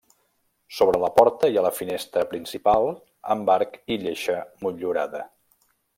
Sobre la porta hi ha la finestra principal amb arc i lleixa motllurada.